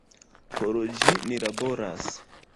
Por ĝi ni laboras.